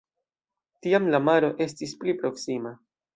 Tiam la maro estis pli proksima.